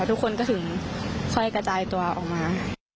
ทุกคนก็ถึงค่อยกระจายตัวออกมา